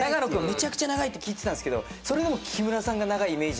めちゃくちゃ長いって聞いてたんですけどそれでも木村さんが長いイメージでした。